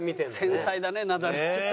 繊細だねナダルって。